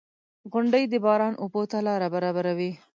• غونډۍ د باران اوبو ته لاره برابروي.